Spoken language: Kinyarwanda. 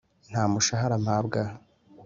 Nta mushahara mpabwa